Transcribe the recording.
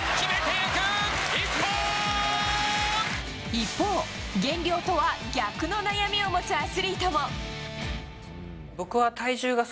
一方、減量とは逆の悩みを持つアスリートも。